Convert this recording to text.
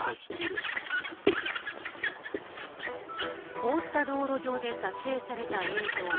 凍った道路上で撮影された映像。